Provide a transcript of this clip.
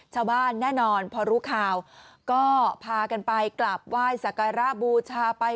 ชาวบ้านแน่นอนพอรู้ข่าวก็พากันไปกลับไหว้สักการะบูชาไป